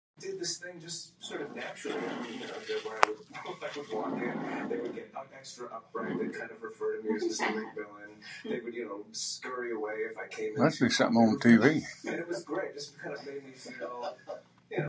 An anterior version of How Do You Do?